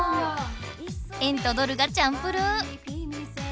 円とドルがチャンプルー！